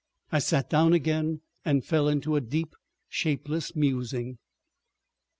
I sat down again and fell into a deep shapeless musing.